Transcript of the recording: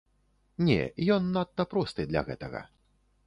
Не, ён надта просты для гэтага.